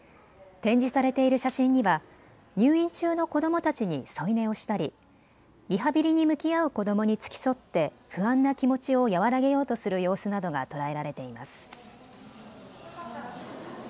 展示されている写真には入院中の子どもたちに添い寝をしたりリハビリに向き合う子どもに付き添って不安な気持ちを和らげようとする様子などが捉えられています。